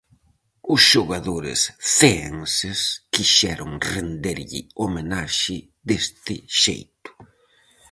Os xogadores ceenses quixeron renderlle homenaxe deste xeito.